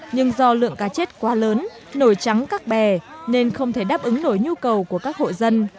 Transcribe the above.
nhưng do lượng cá chết quá lớn nổi trắng các bè nên không thể đáp ứng nổi nhu cầu của các hộ dân